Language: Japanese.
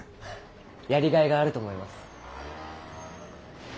やりがいがあると思います。